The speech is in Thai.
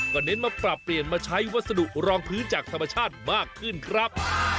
เน้นมาปรับเปลี่ยนมาใช้วัสดุรองพื้นจากธรรมชาติมากขึ้นครับ